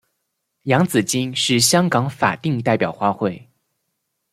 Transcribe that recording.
洋紫荆是香港法定代表花卉。